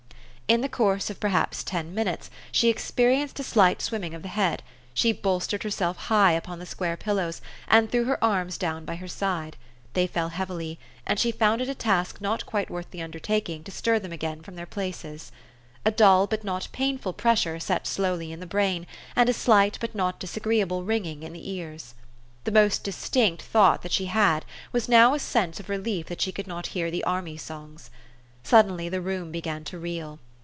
In the course of perhaps ten minutes she experi enced a slight swimming of the head : she bolstered herself high upon the square pillows, and threw her arms down by her side ; they fell heavily, and she found it a task not quite worth the undertaking to stir them again from their places. A dull but not painful pressure set slowly in the brain, and a slight but not disagreeable ringing, in the ears. The most distinct thought that she had was now a sense of relief that she could not hear the army songs. Sud denly the room began to reel.